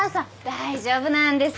大丈夫なんです。